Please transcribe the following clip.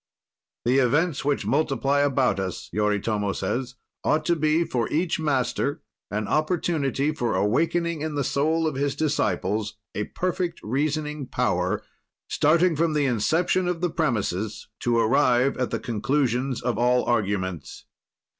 The events which multiply about us, Yoritomo says, ought to be, for each master, an opportunity for awakening in the soul of his disciples a perfect reasoning power, starting from the inception of the premises to arrive at the conclusions of all arguments.